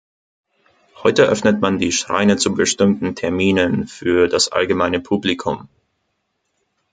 Heute öffnet man die Schreine zu bestimmten Terminen für das allgemeine Publikum.